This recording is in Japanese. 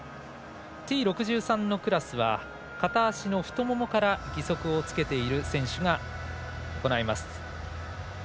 Ｔ６３のクラスは片足の太ももから義足をつけている選手が行います。